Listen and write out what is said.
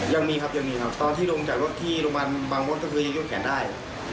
ยังมีครับยังมีครับตอนที่ลงจากรถที่โรงพยาบาลบางมดก็คือยังยกแขนได้